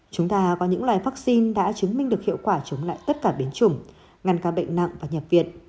chúng ta có những loài vaccine đã chứng minh được hiệu quả chống lại tất cả biến chủng ngăn ca bệnh nặng và nhập viện